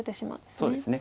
そうですね。